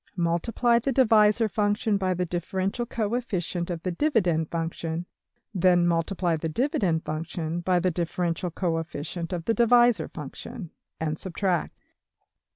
Multiply the divisor function by the differential coefficient of the dividend function; then multiply the dividend function by the differential coefficient of the divisor function; and subtract.